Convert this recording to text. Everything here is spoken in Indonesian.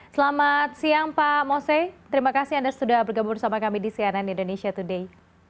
selamat siang pak mose terima kasih anda sudah bergabung bersama kami di cnn indonesia today